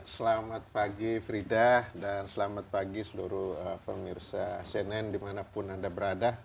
selamat pagi frida dan selamat pagi seluruh pemirsa cnn dimanapun anda berada